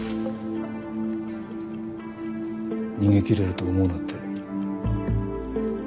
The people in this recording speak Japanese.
逃げ切れると思うなって。